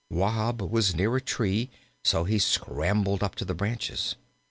Wahb was near a tree, so he scrambled up to the branches.